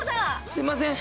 すいません。